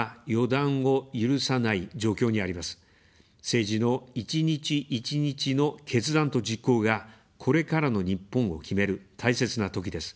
政治の一日一日の決断と実行が、これからの日本を決める、大切なときです。